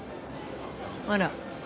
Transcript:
あら？